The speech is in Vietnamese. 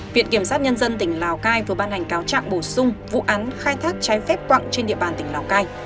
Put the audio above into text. viện kiểm sát nhân dân tỉnh lào cai vừa ban hành cáo trạng bổ sung vụ án khai thác trái phép quặng trên địa bàn tỉnh lào cai